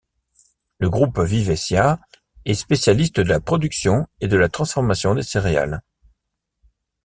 Le Groupe Vivescia est spécialiste de la production et de la transformation des céréales.